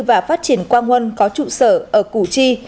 và phát triển quang huân có trụ sở ở củ chi